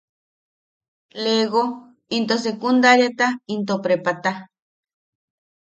Lego into secundariata into prepata.